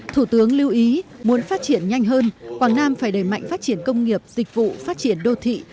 thủ tướng lưu ý muốn phát triển nhanh hơn quảng nam phải đẩy mạnh phát triển công nghiệp dịch vụ phát triển đô thị